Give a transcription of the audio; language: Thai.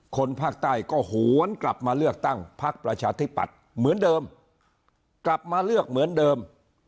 คนภาคใต้ก็หวนกลับมาเลือกตั้งพักประชาธิปัตย์เหมือนเดิมกลับมาเลือกเหมือนเดิม